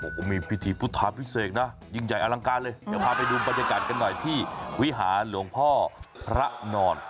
ผมก็มีพิธีพุทธาพิเศษนะยิ่งใหญ่อลังการเลยเดี๋ยวพาไปดูบรรยากาศกันหน่อยที่วิหารหลวงพ่อพระนอน